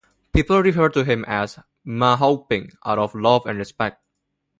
People refer him as "Ma-Hoping" out of love and respect.